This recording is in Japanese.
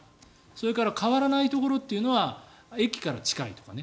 それから変わらないところというのは駅から近いとかね。